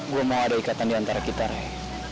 gue mau ada ikatan diantara kita raya